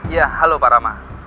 ya halo pak rahmat